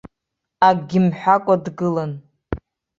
Акгьы мҳәакәа дгылан.